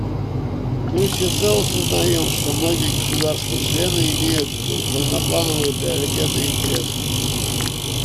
Мы всецело сознаем, что многие государства-члены имеют разноплановые приоритеты и интересы.